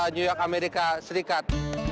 new york amerika serikat